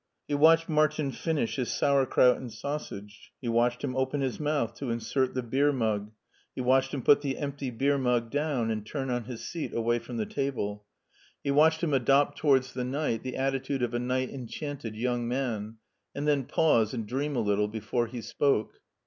He watched Martin finish his sauerkraut and sausage; he watched him open his mouth to insert the beer mug ; he watched him put the empty beer mug down and turn on his seat away from the table ; he watched him HEIDELBERG 29 adopt towards the night the attitude of a night enchanted young man, and then pause and dream a lit tle before he spoke.